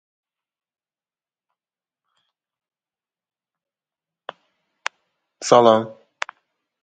Meni doʻkoncham Ohongaron tumanida joylashgan.